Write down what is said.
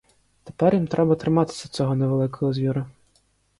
Тепер їм треба триматися цього невеликого звіра.